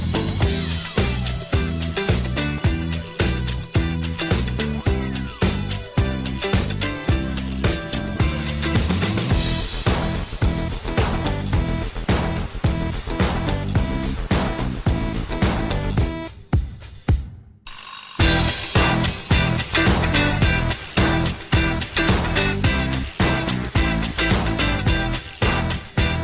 โปรดติดตามตอนต่อไป